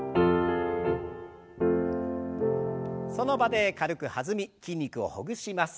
その場で軽く弾み筋肉をほぐします。